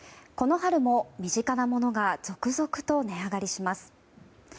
この春も身近なものが続々と値上がりします。